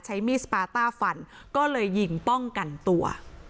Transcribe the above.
ใช้มีดสปาต้าฟันก็เลยยิงป้องกันตัว